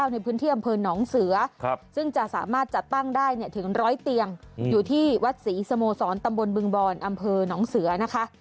ในพื้นที่อำเภอหนองเสือซึ่งจะสามารถจัดตั้งได้ถึง๑๐๐เตียงอยู่ที่วัดศรีสโมสรตำบลบึงบอนอำเภอหนองเสือนะคะ